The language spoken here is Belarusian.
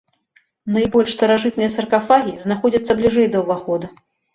Найбольш старажытныя саркафагі знаходзяцца бліжэй да ўвахода.